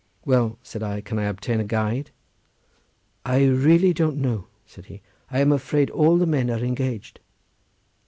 "Well," said I, "can I obtain a guide?" "I really don't know," said he; "I am afraid all the men are engaged."